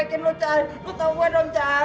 sini ga sempet ya